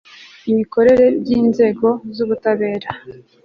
imikorere by'inzego z'ubutabera